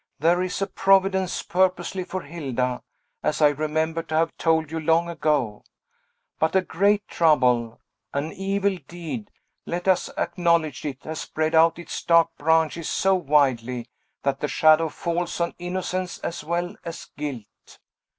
"There is a Providence purposely for Hilda, as I remember to have told you long ago. But a great trouble an evil deed, let us acknowledge it has spread out its dark branches so widely, that the shadow falls on innocence as well as guilt.